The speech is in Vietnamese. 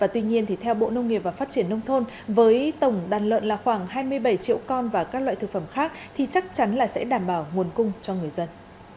tuy nhiên theo bộ nông nghiệp và phát triển nông thôn với tổng đàn lợn là khoảng hai mươi bảy triệu con và các loại thực phẩm khác thì chắc chắn là sẽ đảm bảo nguồn cung cho người dân